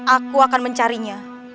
aku akan mencarinya